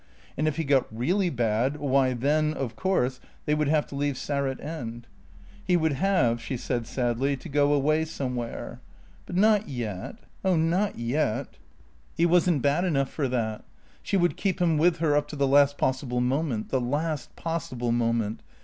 And if he got really bad, why then, of course, they would have to leave Sarratt End. He would have, she said sadly, to go away somewhere. But not yet oh, not yet; he wasn't bad enough for that. She would keep him with her up to the last possible moment the last possible moment.